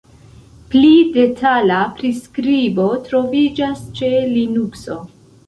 Pli detala priskribo troviĝas ĉe Linukso.